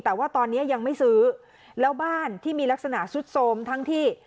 แต่ว่าตอนนี้ยังไม่ซื้อแล้วบ้านที่มีลักษณะสุดโทรมทั้งที่